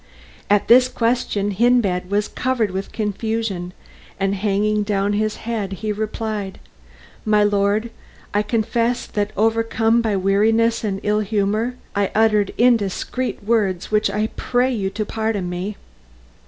At this question Hindbad was covered with confusion, and hanging down his head, replied, "My lord, I confess that, overcome by weariness and ill humour, I uttered indiscreet words, which I pray you to pardon me."